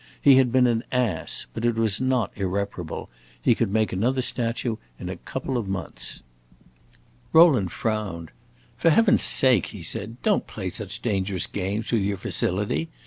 He had been an ass, but it was not irreparable; he could make another statue in a couple of months. Rowland frowned. "For heaven's sake," he said, "don't play such dangerous games with your facility.